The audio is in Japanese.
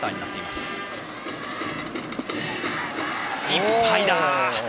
いっぱいだ！